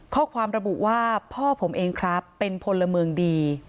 ข้อความระบุว่าพ่อผมเองครับเป็นพลเมืองดี